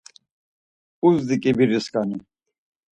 Uzdi ǩibiriskani.